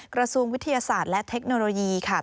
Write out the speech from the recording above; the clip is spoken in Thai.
กระทรวงวิทยาศาสตร์และเทคโนโลยีค่ะ